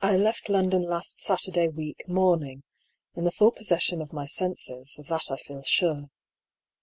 I left London last Saturday week morning, in the full possession of my senses (of that I feel sure).